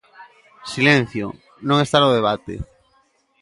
Silencio, non está no debate.